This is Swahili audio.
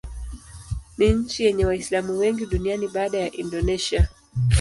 Ni nchi yenye Waislamu wengi duniani baada ya Indonesia.